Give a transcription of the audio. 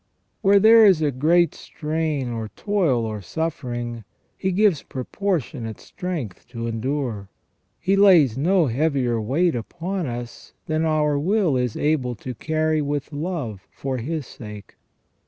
Where there is a great strain of toil or suffering, He gives propor tionate strength to endure. He lays no heavier weight upon us than our will is able to carry with love for His sake.